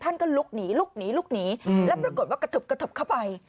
ท่านก็ลุกหนีลุกหนีลุกหนีแล้วปรากฏว่ากระทึบกระทึบเข้าไป